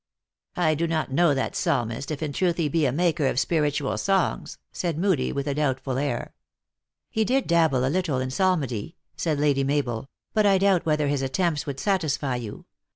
"" I do not know that psalmist, if in truth he be a maker of spiritual songs," said Moodie, with a doubt ful air. " He did dabble a little in psalmody," said Lady Mabel; "but I doubt whether his attempts would satisfy you.